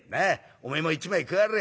おめえも一枚加われ」。